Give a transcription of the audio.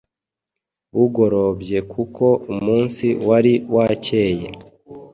Bugorobyekuko umunsi wari wacyeye